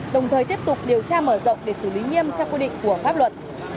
đồng thời tiếp tục điều tra mở rộng để xử lý nghiêm theo quy định của pháp luật